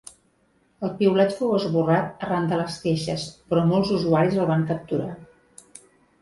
El piulet fou esborrat arran de les queixes, però molts usuaris el van capturar.